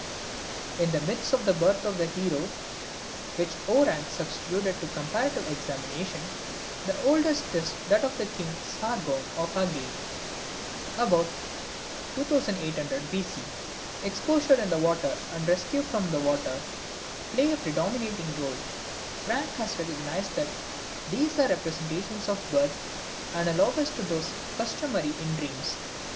In the myths of the birth of the hero, which O. Rank submitted to comparative examination, the oldest is that of King Sargon of Agade, about 2800 B.C. exposure in the water and rescue from water play a predominating role. Rank has recognized that these are representations of birth, analogous to those customary in dreams.